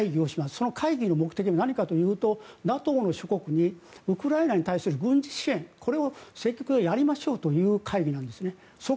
その会議の目的は何かというとＮＡＴＯの諸国にウクライナに対する軍事支援これをやりましょうという会議なんですね。